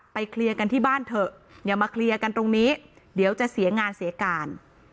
เคลียร์กันที่บ้านเถอะอย่ามาเคลียร์กันตรงนี้เดี๋ยวจะเสียงานเสียการ